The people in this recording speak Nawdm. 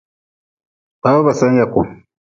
Baba ba sen yaku.